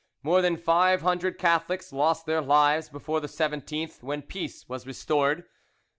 More than five hundred Catholics lost their lives before the 17th, when peace was restored.